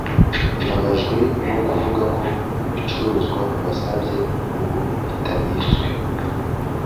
Mbabajwe no kuvuga ko ibicuruzwa wasabye ubu bitabitswe